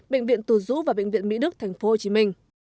bệnh viện tù dũ và bệnh viện mỹ đức tp hcm